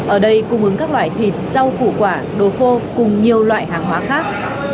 ở đây cung ứng các loại thịt rau củ quả đồ khô cùng nhiều loại hàng hóa khác